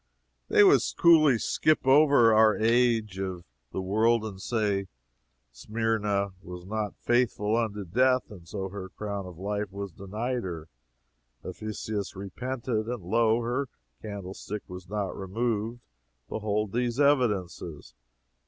They would coolly skip over our age of the world, and say: "Smyrna was not faithful unto death, and so her crown of life was denied her; Ephesus repented, and lo! her candle stick was not removed. Behold these evidences!